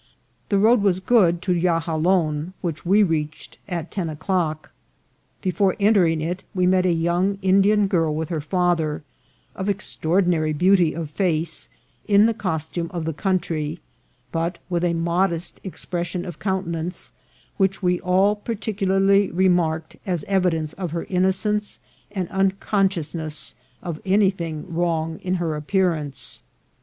The road was good to Yahalon, which we reached at ten o'clock. Before entering it we met a young Indian girl with her father, of extraordinary beauty of face, in the costume of the country, but with a modest expression of countenance, which we all particularly remarked as evidence of her innocence and unconsciousness of anything wrong in her appearance.